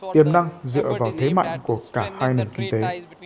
tiềm năng dựa vào thế mạnh của cả hai nền kinh tế